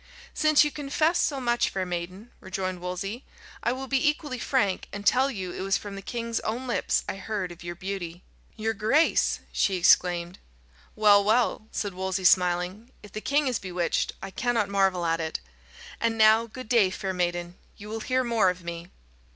"Since you confess so much, fair maiden," rejoined Wolsey, "I will be equally frank, and tell you it was from the king's own lips I heard of your beauty." "Your grace!" she exclaimed. "Well, well," said Wolsey, smiling, "if the king is bewitched, I cannot marvel at it. And now, good day, fair maiden; you will hear more of me."